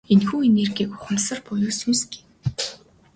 Энэхүү энергийг ухамсар буюу сүнс гэнэ.